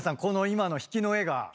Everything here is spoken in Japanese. この今の引きの絵が。